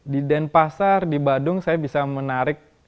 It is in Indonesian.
di denpasar di badung saya bisa menarik